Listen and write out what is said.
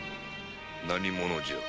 何者じゃ！